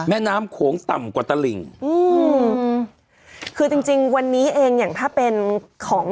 แม่น้ำโขงต่ำกว่าตลิ่งอืมคือจริงจริงวันนี้เองอย่างถ้าเป็นของ